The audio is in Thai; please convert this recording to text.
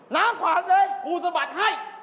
นอดปัจค์เลยกู้สะบัดให้